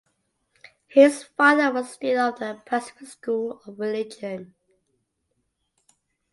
His father was dean of the Pacific School of Religion.